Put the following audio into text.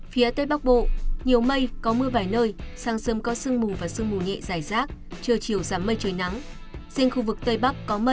phía đông bắc bộ nhiều mây sáng và đêm có mưa nhỏ mưa phùn và sương mù dài rác